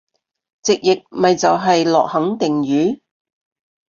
直譯咪就係落肯定雨？